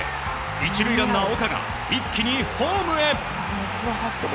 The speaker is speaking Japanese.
１塁ランナー、岡が一気にホームへ！